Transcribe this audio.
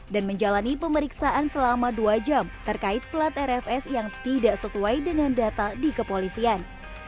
dan menjalani pemeriksaan selama dua jam terkait plat rfs yang tidak sesuai dengan data di kepolisian